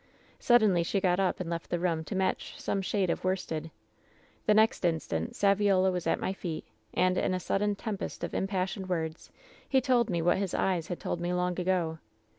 Suddenly she got up and left the room to match some shade of worsted. "The next instant Saviola was at my feet, and, in a sudden tempest of impassioned words, he told me what his eyes had told me long ago.